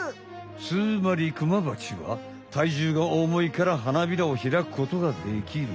つまりクマバチはたいじゅうが重いから花びらをひらくことができる。